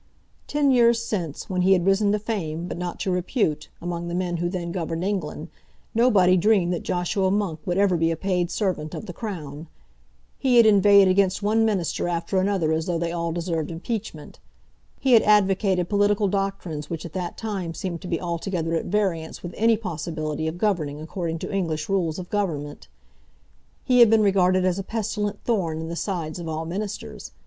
Ten years since, when he had risen to fame, but not to repute, among the men who then governed England, nobody dreamed that Joshua Monk would ever be a paid servant of the Crown. He had inveighed against one minister after another as though they all deserved impeachment. He had advocated political doctrines which at that time seemed to be altogether at variance with any possibility of governing according to English rules of government. He had been regarded as a pestilent thorn in the sides of all ministers.